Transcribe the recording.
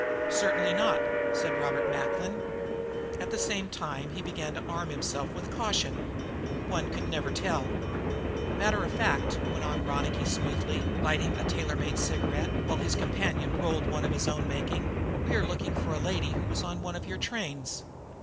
"Certainly not," said Robert Macklin. At the same time he began to arm himself with caution. One could never tell. "Matter of fact," went on Ronicky smoothly, lighting a tailor made cigarette, while his companion rolled one of his own making, "we are looking for a lady who was on one of your trains.